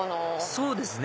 そうですね